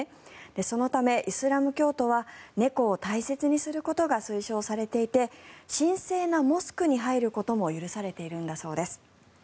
そのため、イスラム教徒は猫を大切にすることが推奨されていて神聖なモスクに入ることも許されているんだそうです。